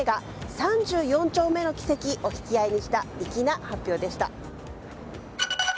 「三十四丁目の奇蹟」を引き合いにした粋な発表でした。